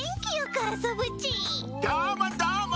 どーもどーも！